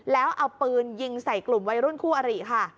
แล้วเอาปืนยิงใส่กลุ่มวัยรุ่นคู่อริค่ะ